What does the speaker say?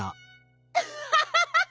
アハハハハ！